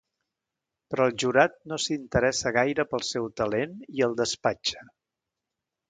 Però el jurat no s'interessa gaire pel seu talent i el despatxa.